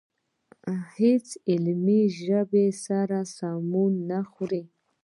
له هېڅ علمي ژبې سره سمون نه خوري.